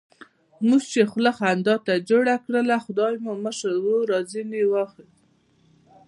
موږ چې خوله خندا ته جوړه کړله، خدای مو مشر ورور را ځنې واخیست.